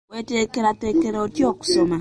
Weeteekerateekera otya okusoma?